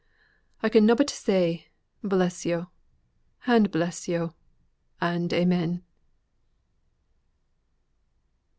I can nobbut say, Bless yo'! and bless yo'! and amen."